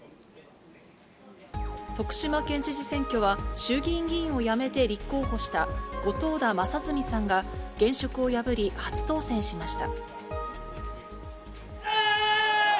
徳島県知事選挙は、衆議院議員を辞めて立候補した後藤田正純さんが、現職を破り初当選しました。